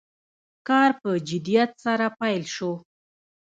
کار په جدیت سره پیل شو.